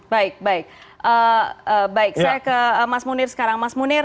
baik baik saya ke mas munir sekarang